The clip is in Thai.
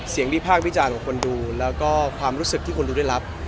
วิพากษ์วิจารณ์ของคนดูแล้วก็ความรู้สึกที่คนดูได้รับ